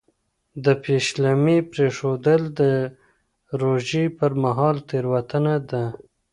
د پېشلمي پرېښودل د روژې پر مهال تېروتنه ده.